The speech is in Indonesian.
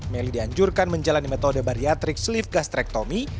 melly dianjurkan menjalani metode bariatrik sleeve gastrectomy